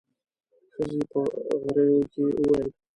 ښځې په غريو کې وويل.